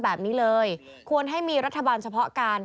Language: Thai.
แบบนี้เลยควรให้มีรัฐบาลเฉพาะการ